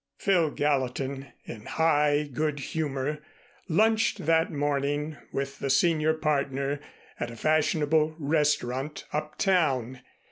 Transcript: Phil Gallatin, in high good humor, lunched that morning with the senior partner at a fashionable restaurant uptown.